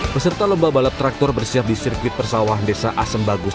peserta lomba balap traktor bersiap di sirkuit persawahan desa asem bagus